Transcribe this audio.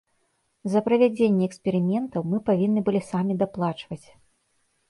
За правядзенне эксперыментаў мы павінны былі самі даплачваць.